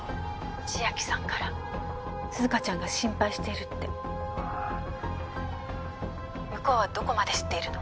☎千晶さんから涼香ちゃんが心配してるってああ☎向こうはどこまで知っているの？